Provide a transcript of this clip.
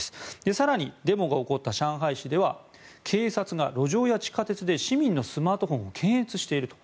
更に、デモが起こった上海市では警察が路上や地下鉄で市民のスマートフォンを検閲していると。